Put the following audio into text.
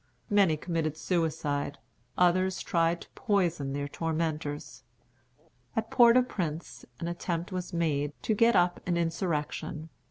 Many committed suicide, others tried to poison their tormentors. At Port au Prince an attempt was made to get up an insurrection.